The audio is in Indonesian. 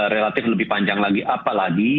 relatif lebih panjang lagi apalagi